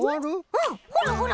うんほらほら！